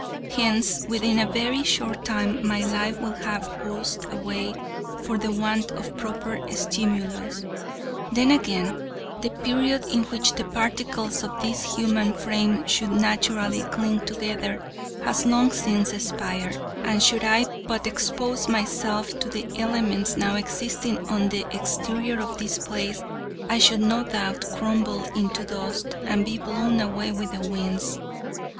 Hence within a very short time my life will have oozed away for the want of proper stimulus. Then again, the period in which the particles of this human frame should naturally cling together has long since expired, and should I but expose myself to the elements now existing on the exterior of this place, I should no doubt, crumble into dust and be blown away with the winds.